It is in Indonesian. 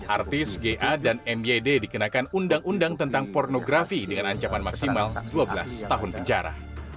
artis ga dan myd dikenakan undang undang tentang pornografi dengan ancaman maksimal dua belas tahun penjara